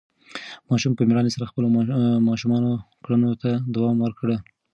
ماشوم په مېړانې سره خپلو ماشومانه کړنو ته دوام ورکړ.